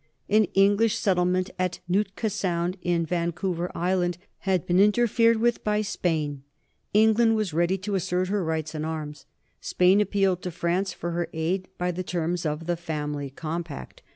An English settlement at Nootka Sound, in Vancouver Island, had been interfered with by Spain. England was ready to assert her rights in arms. Spain appealed to France for her aid by the terms of the Family Compact.